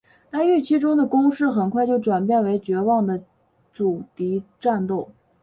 但预期中的攻势很快就转变成绝望的阻敌战斗。